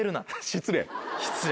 失礼。